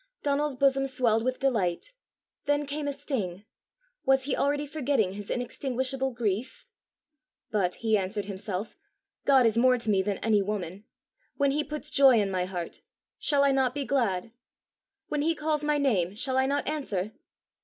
Donal's bosom swelled with delight; then came a sting: was he already forgetting his inextinguishable grief? "But," he answered himself, "God is more to me than any woman! When he puts joy in my heart, shall I not be glad? When he calls my name shall I not answer?"